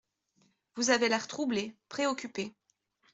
Vous avez l’air troublé, préoccupé.